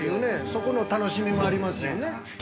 そこの楽しみもありますしね。